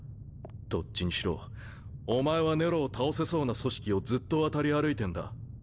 どっちにしろお前はネロを倒せそうな組織をずっと渡り歩いてんだ。